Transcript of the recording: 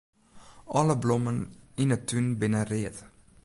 Alle blommen yn 'e tún binne read.